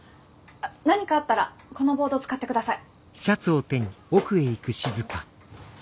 何かあったらこのボード使ってください。